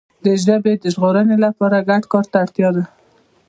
د ژبي د ژغورنې لپاره ګډ کار ته اړتیا ده.